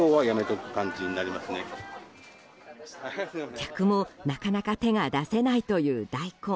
客も、なかなか手が出せないというダイコン。